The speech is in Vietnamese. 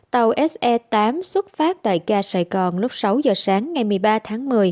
tàu se tám xuất phát tại ga sài gòn lúc sáu giờ sáng ngày một mươi ba tháng một mươi